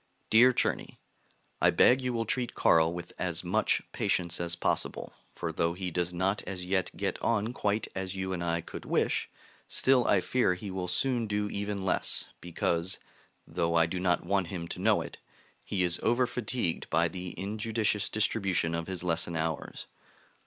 DEAR CZERNY, I beg you will treat Carl with as much patience as possible; for though he does not as yet get on quite as you and I could wish, still I fear he will soon do even less, because (though I do not want him to know it) he is over fatigued by the injudicious distribution of his lesson hours.